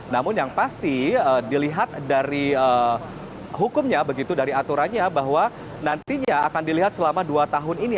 namun yang pasti dilihat dari hukumnya begitu dari aturannya bahwa nantinya akan dilihat selama dua tahun ini